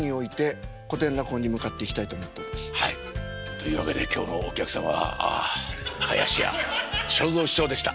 というわけで今日のお客様は林家正蔵師匠でした。